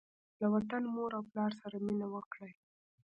له وطن، مور او پلار سره مینه وکړئ.